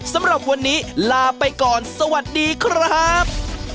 สำหรับวันนี้ลาไปก่อนสวัสดีครับ